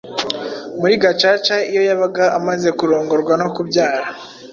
muri gacaca, iyo yabaga amaze kurongorwa no kubyara.